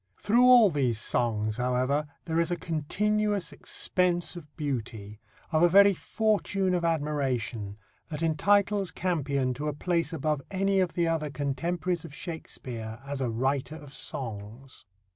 Through all these songs, however, there is a continuous expense of beauty, of a very fortune of admiration, that entitles Campion to a place above any of the other contemporaries of Shakespeare as a writer of songs.